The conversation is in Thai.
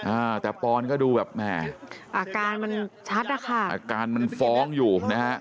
อ่าแต่ปอนก็ดูแบบแหม่อาการมันชัดนะคะอาการมันฟ้องอยู่นะฮะ